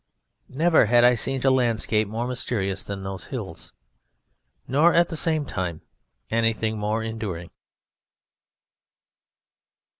Never had I seen a landscape more mysterious than those hills, nor at the same time anything more enduring.